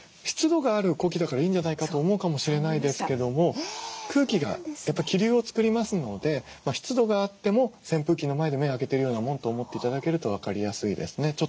湿度がある呼気だからいいんじゃないかと思うかもしれないですけども空気がやっぱり気流を作りますので湿度があっても扇風機の前で目開けてるようなもんと思って頂けると分かりやすいですね。